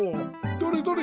どれどれ。